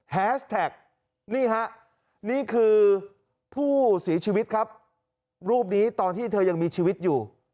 แฮสแท็กนี่ฮะนี่คือผู้เสียชีวิตครับรูปนี้ตอนที่เธอยังมีชีวิตอยู่